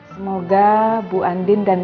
semoga bu andin dan